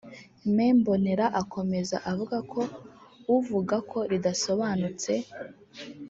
Me Mbonera akomeza avuga ko uvuga ko ridasobanutse